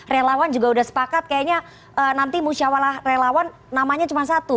relawan juga sudah sepakat kayaknya nanti musyawalah relawan namanya cuma satu